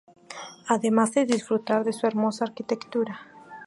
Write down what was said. Además de disfrutar de su hermosa arquitectura.